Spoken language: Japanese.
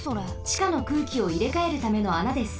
ちかの空気をいれかえるためのあなです。